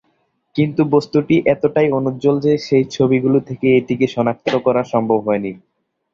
কিন্তু বস্তুটি এতটাই অনুজ্জ্বল যে সেই ছবিগুলি থেকে এটিকে শনাক্ত করা সম্ভব হয়নি।